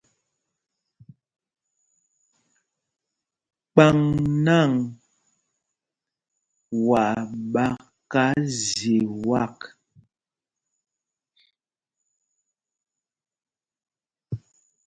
Kpaŋ nǎŋ, waa ɓaka zye wak.